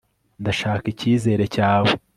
ndashaka ikizere cyawe